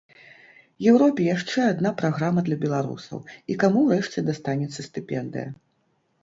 Еўропе яшчэ адна праграма для беларусаў, і каму ўрэшце дастанецца стыпендыя.